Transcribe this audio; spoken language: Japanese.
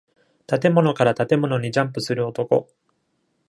建物から建物にジャンプする男